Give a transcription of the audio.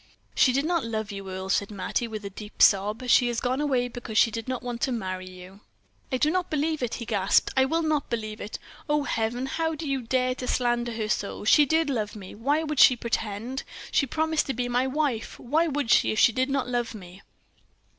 "She did not love you, Earle," said Mattie, with a deep sob; "she has gone away because she did not want to marry you." "I do not believe it!" he gasped. "I will not believe it! Oh, Heaven! How do you dare to slander her so? She did love me. Why should she pretend? She promised to be my wife; why should she if she did not love me?"